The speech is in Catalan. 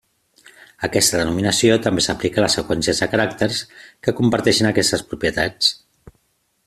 Aquesta denominació també s'aplica a les seqüències de caràcters que comparteixen aquestes propietats.